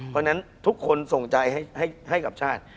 เพราะฉะนั้นทุกคนส่งใจให้กับชาติ